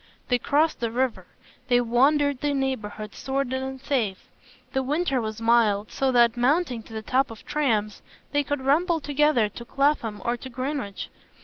They crossed the river; they wandered in neighbourhoods sordid and safe; the winter was mild, so that, mounting to the top of trams, they could rumble together to Clapham or to Greenwich.